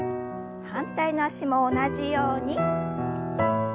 反対の脚も同じように。